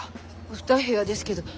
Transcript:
２部屋ですけど。